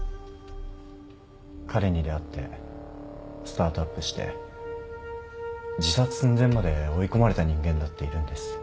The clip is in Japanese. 彼に出会ってスタートアップして自殺寸前まで追い込まれた人間だっているんです。